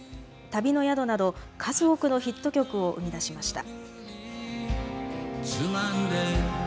旅の宿など数多くのヒット曲を生み出しました。